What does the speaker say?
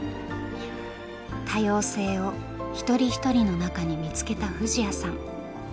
多様性を一人一人の中に見つけた藤彌さん。